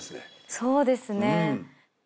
そうですね